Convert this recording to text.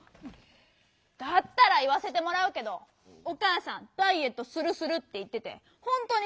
だったらいわせてもらうけどおかあさんダイエットするするっていっててほんとにちゃんとやってるの？